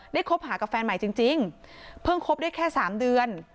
คบหากับแฟนใหม่จริงเพิ่งคบได้แค่๓เดือน